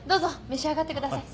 召し上がってください。